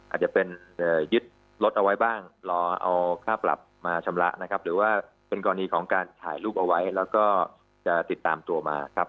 อาจจะเป็นยึดรถเอาไว้บ้างรอเอาค่าปรับมาชำระนะครับหรือว่าเป็นกรณีของการถ่ายรูปเอาไว้แล้วก็จะติดตามตัวมาครับ